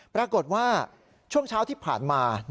ปรากฏว่าช่วงเช้าที่ผ่านมา